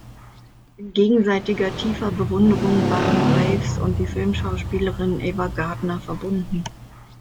In gegenseitiger tiefer Bewunderung waren Graves und die Filmschauspielerin Ava Gardner verbunden.